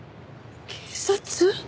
警察？